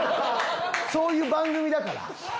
そういう番組だから！